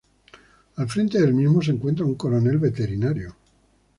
Al frente del mismo se encuentra un coronel veterinario.